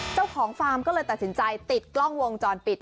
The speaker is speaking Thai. ฟาร์มก็เลยตัดสินใจติดกล้องวงจรปิด